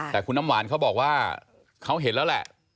แต่คุณน้ำหวานเขาบอกว่าเขาเห็นแล้วแหละ